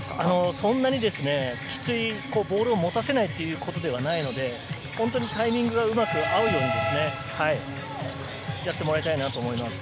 そんなにきついボールを持たせないということではないので、タイミングがうまく合うようにですね、やってもらいたいなと思います。